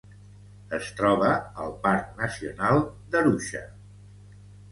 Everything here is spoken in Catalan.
Es troba al parc nacional d'Arusha.